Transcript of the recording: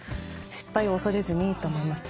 「失敗を恐れずに」と思います。